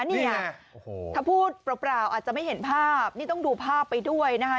เนี่ยโอ้โหถ้าพูดเปล่าอาจจะไม่เห็นภาพนี่ต้องดูภาพไปด้วยนะคะ